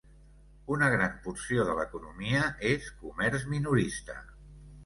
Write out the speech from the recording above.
Una gran porció de l'economia és comerç minorista.